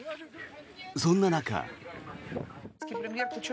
そんな中。